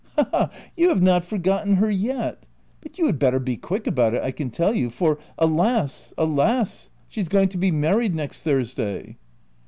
" Ha, ha, you have not forgotten her yet ! But you had better be quick about it, I can tell you, for — alas, alas !— she's going to be married next Thursday!"